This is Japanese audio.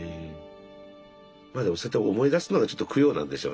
まあでもそうやって思い出すのがちょっと供養なんでしょうね